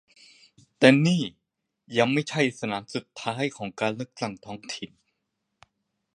นี่ยังไม่ใช่สนามสุดท้ายของการเลือกตั้งท้องถิ่น